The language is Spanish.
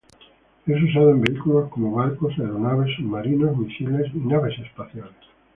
Es usado en vehículos como barcos, aeronaves, submarinos, misiles, y naves espaciales.